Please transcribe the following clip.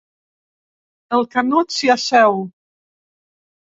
El Canut s'hi asseu.